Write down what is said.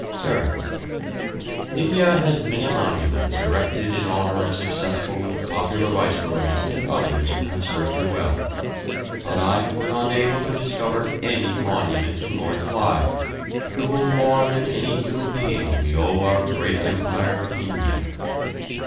Sir, India has many monuments erected in honour of successful and popular viceroys and others who have served her well, but I have been unable to discover any monument to Lord Clive, to whom more than any human being we owe our great empire of India.